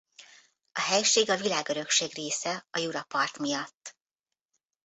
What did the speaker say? A helység a világörökség része a Jura part miatt.